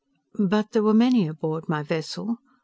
"But there were many aboard my vessel.